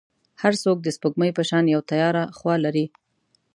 هر څوک د سپوږمۍ په شان یو تیاره خوا لري.